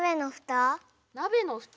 なべのふた。